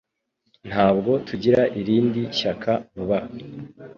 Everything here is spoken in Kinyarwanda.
Ntabwo tugira irindi shyaka vuba aha